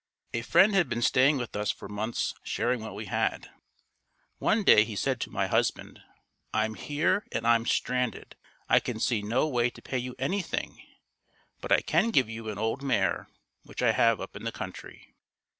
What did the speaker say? A friend had been staying with us for months sharing what we had. One day he said to my husband, "I'm here and I'm stranded, I can see no way to pay you anything, but I can give you an old mare which I have up in the country."